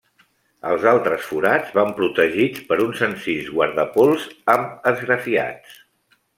Els altres forats van protegits per uns senzills guardapols amb esgrafiats.